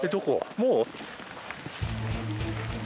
もう？